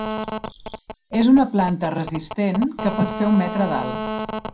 És una planta resistent que pot fer un metre d'alt.